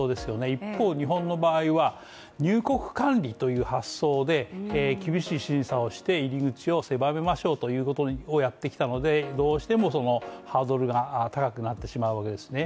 一方日本の場合は入国管理という発想で厳しい審査をして入り口を狭めましょうということをやってきたので、どうしてもそのハードルが高くなってしまうわけですね